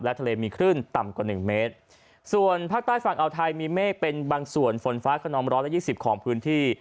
ทะเลมีคลื่นต่ำกว่าหนึ่งเมตรส่วนภาคใต้ฝั่งอาวไทยมีเมฆเป็นบางส่วนฝนฟ้าขนองร้อยละยี่สิบของพื้นที่